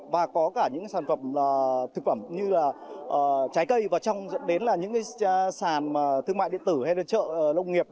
và có cả những sản phẩm thực phẩm như là trái cây và dẫn đến là những sàn thương mại điện tử hay là chợ lông nghiệp